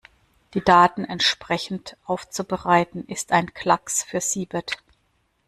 Die Daten entsprechend aufzubereiten, ist ein Klacks für Siebert.